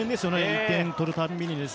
１点取るたんびに。